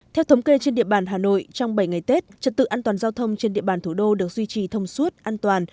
theo thống kê trên địa bàn hà nội trong bảy ngày tết trật tự an toàn giao thông trên địa bàn thủ đô được duy trì thông suốt an toàn